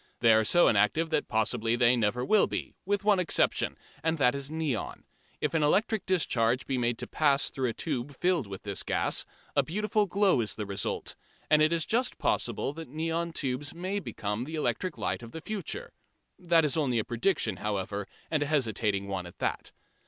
They are so inactive that possibly they never will be, with one exception, and that is neon. If an electric discharge be made to pass through a tube filled with this gas, a beautiful glow is the result, and it is just possible that neon tubes may become the electric light of the future. That is only a prediction, however, and a hesitating one at that.